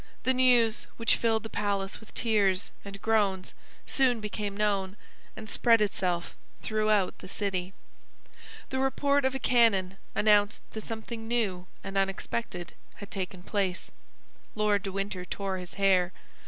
The news, which filled the palace with tears and groans, soon became known, and spread itself throughout the city. The report of a cannon announced that something new and unexpected had taken place. Lord de Winter tore his hair.